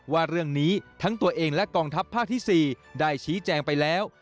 ว่าเรื่องนี้ทั้งตัวเองและกองทัพภาคที่๔ได้ชี้แจงไปแล้ว